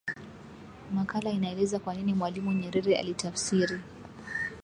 makala inaeleza kwa nini Mwalimu Nyerere alitafsiri